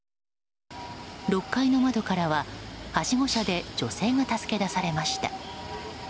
６階の窓からは、はしご車で女性が助け出されました。